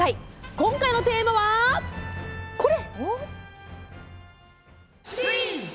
今回のテーマは、これ！